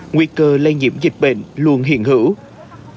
nguy cơ lây nhiễm dịch bệnh luôn hiện hợp